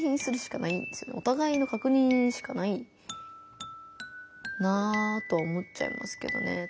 おたがいのかくにんしかないなとは思っちゃいますけどね。